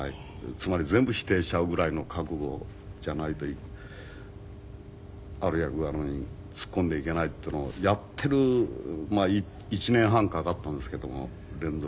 つまり全部否定しちゃうぐらいの覚悟じゃないとある役柄に突っ込んでいけないっていうのをやってる１年半かかったんですけども連続。